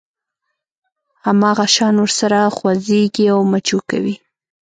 هماغه شان ورسره خوځېږي او مچو کوي.